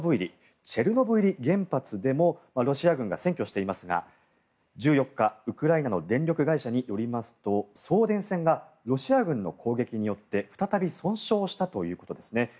チェルノブイリ原発でもロシア軍が占拠していますが１４日、ウクライナの電力会社によりますと送電線がロシア軍の攻撃によって再び損傷したということです。